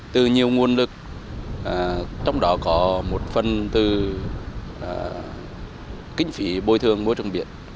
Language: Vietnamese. từ nhiều nguồn lực trong đó có một phần từ kinh phí bồi thường môi trường biển